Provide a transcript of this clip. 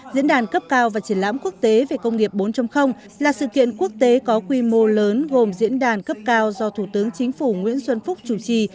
diễn đàn cấp cao và triển lãm quốc tế về công nghiệp bốn là sự kiện quốc tế có quy mô lớn gồm diễn đàn cấp cao do thủ tướng chính phủ nguyễn xuân phúc chủ trì